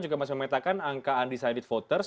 juga masih memetakan angka undecided voters